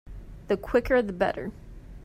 The quicker the better.